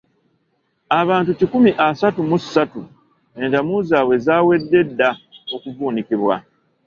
Abantu kikumi asatu mu ssatu entamu zaabwe zaawedde dda okuvuunikibwa.